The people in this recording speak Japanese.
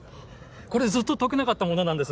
これずっと解けなかったものなんです。